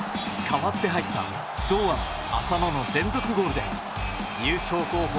代わって入った堂安、浅野の連続ゴールで優勝候補